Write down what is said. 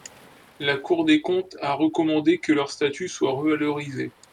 La Cour des comptes a recommandé que leur statut soit revalorisé.